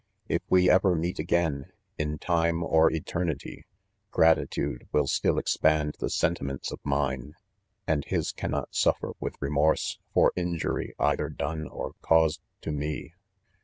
If we ever meet again, in time or eternity, g.:a..i" fade will still expand the sentiments of mine, ana his cannot suffer with remorse, for injury either done or caused to me.